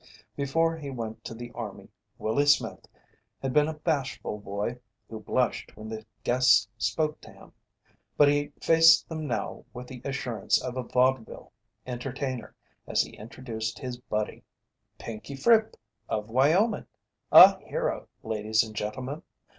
Before he went to the army "Willie" Smith had been a bashful boy who blushed when the guests spoke to him, but he faced them now with the assurance of a vaudeville entertainer as he introduced his "buddy": "Pinkey Fripp, of Wyoming a hero, ladies and gentlemen!